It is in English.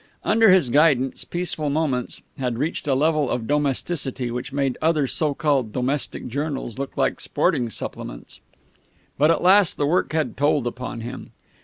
Under his guidance Peaceful Moments had reached a level of domesticity which made other so called domestic journals look like sporting supplements. But at last the work had told upon him.